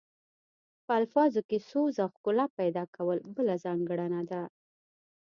په الفاظو کې سوز او ښکلا پیدا کول بله ځانګړنه ده